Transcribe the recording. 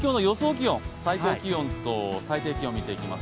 気温、最高気温と最低気温を見ていきます。